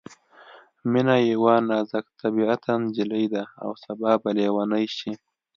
مينه یوه نازک طبعیته نجلۍ ده او سبا به ليونۍ شي